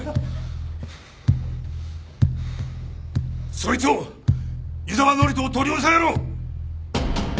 そいつを井沢範人を取り押さえろ！